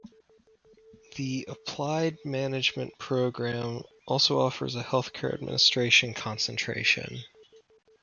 The Applied Management program also offers a Healthcare Administration concentration.